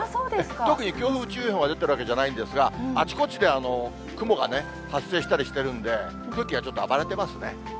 特に強風注意報が出ているわけではないんですが、あちこちで雲が発生したりしてるんで、空気がちょっと暴れてますね。